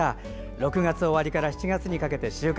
６月終わりから７月にかけて収穫。